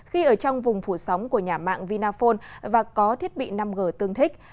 khi ở trong vùng phủ sóng của nhà mạng vinaphone và có thiết bị năm g tương thích